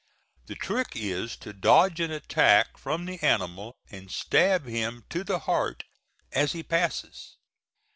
The trick is to dodge an attack from the animal and stab him to the heart as he passes.